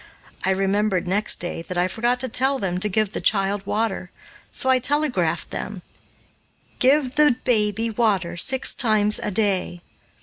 I remembered, next day, that I forgot to tell them to give the child water, and so I telegraphed them, "Give the baby water six times a day."